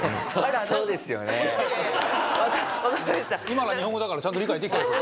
今のは日本語だからちゃんと理解できたでしょ。